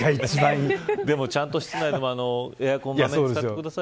でも、ちゃんと室内でもエアコンを使ってください。